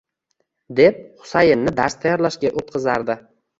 — deb Husayinni dars tayerlashga o'tqizardi.